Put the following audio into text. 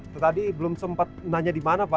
tadi belum sempat nanya dimana pak